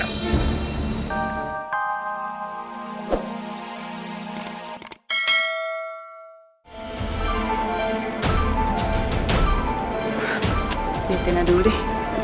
nih tiana dulu deh